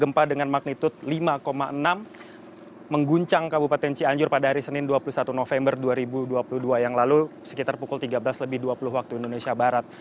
gempa dengan magnitud lima enam mengguncang kabupaten cianjur pada hari senin dua puluh satu november dua ribu dua puluh dua yang lalu sekitar pukul tiga belas lebih dua puluh waktu indonesia barat